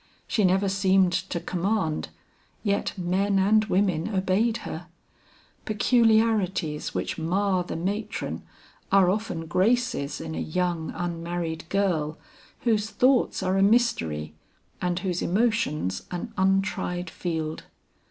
She never seemed to command; yet men and women obeyed her. Peculiarities which mar the matron, are often graces in a young, unmarried girl, whose thoughts are a mystery, and whose emotions an untried field.